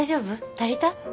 足りた？